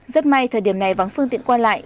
rất may thời điểm này vắng phương tiện qua lại